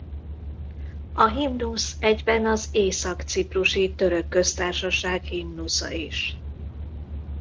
A himnusz egyben az Észak-ciprusi Török Köztársaság himnusza is.